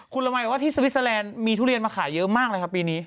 คุณละมัยกับว่าที่สวิสเตอร์แลนด์มีทุเรียนมาขายเยอะมากเลยครับปีนี้